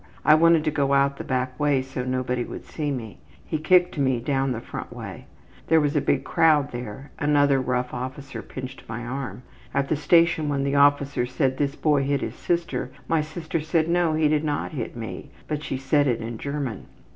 I wanted to go out the back way so nobody would see me. He kicked me down the front way. There was a big crowd there. Another rough officer pinched my arm. At the station when the officer said this boy hit his sister, my sister said, `No, he did not hit me,' but she said it in German.